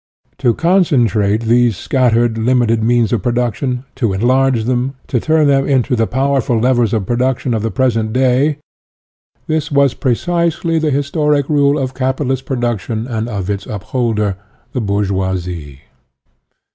To concentrate these scattered, limited means of production, to enlarge them, to turn them into the power ful levers of production of the present day this was precisely the historic role of capitalist production and of its upholder, the bourgeoisie.